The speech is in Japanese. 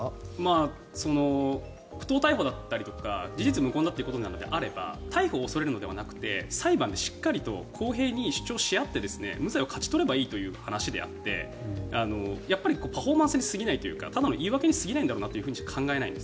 不当逮捕だったりとか事実無根だということであれば逮捕を恐れるのではなくて裁判でしっかりと公平に主張し合って無罪を勝ち取ればいいという話であってやっぱりパフォーマンスに過ぎないというかただの言い訳に過ぎないんだろうなとしか考えられない。